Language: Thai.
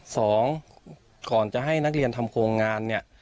สองก่อนจะให้นักเรียนทำโครงงานเนี่ย